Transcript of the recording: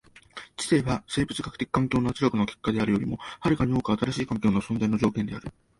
知性は生物学的環境の圧力の結果であるよりも遥かに多く新しい環境の存在の条件である。